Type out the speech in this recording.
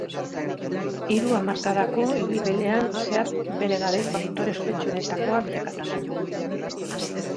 Hiru hamarkadako ibilbidean zehar, bere garaiko aktore ospetsuenetakoa bilakatu zen.